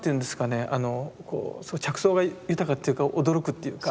あのこう着想が豊かっていうか驚くっていうか。